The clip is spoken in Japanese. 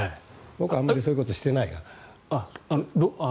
僕はあまりそういうことはしてないから。